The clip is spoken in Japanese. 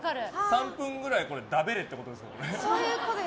３分くらいだべれってことですね。